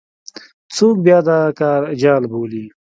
څوک بیا دا کار جعل بولي.